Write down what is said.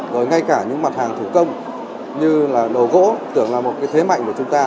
rồi ngay cả những mặt hàng thủ công như là đồ gỗ tưởng là một cái thế mạnh của chúng ta